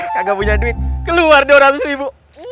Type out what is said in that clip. kagak punya duit keluar dua ratus ribu